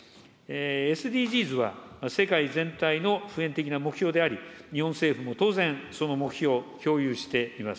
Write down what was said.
ＳＤＧｓは世界全体の普遍的な目標であり、日本政府も当然、その目標を共有しています。